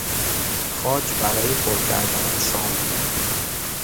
خاک برای پر کردن چال